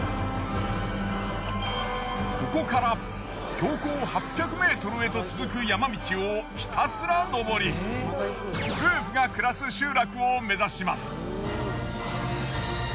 ここから標高８００ｍへと続く山道をひたすら登り夫婦が暮らす集落を目指します。